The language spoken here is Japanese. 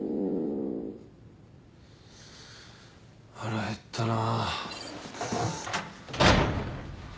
腹減ったな。